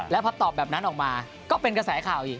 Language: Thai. แล้วพอตอบแบบนั้นออกมาก็เป็นกระแสข่าวอีก